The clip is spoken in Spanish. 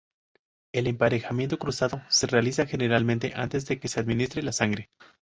El emparejamiento cruzado se realiza generalmente antes de que se administre la sangre.